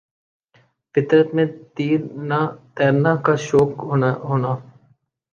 فطر ت میں تیرنا کا شوق ہونا ہونا